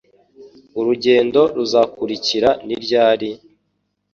Urugendo ruzakurikira ni ryari?